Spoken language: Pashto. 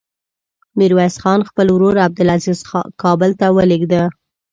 ميرويس خان خپل ورور عبدلعزير کابل ته ولېږه.